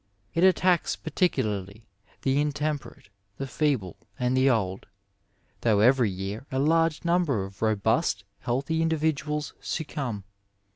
It attacks particularly the intemperate, the feeble, and the old» though every year a large number of robust, healthy individuals succumb.